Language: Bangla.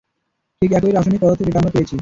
ঠিক একই রাসায়নিক পদার্থ যেটা আমরা পেয়েছি।